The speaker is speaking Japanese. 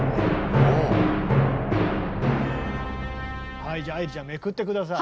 はいじゃあ愛理ちゃんめくって下さい。